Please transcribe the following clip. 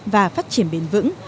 và phát triển bền vững